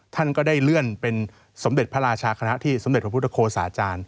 ท่านก็ได้เลื่อนเป็นสมเด็จพระราชาคณะที่สมเด็จพระพุทธโฆษาอาจารย์